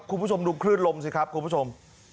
คุณผู้ชมดูคลื่นลมสิครับคุณผู้ชม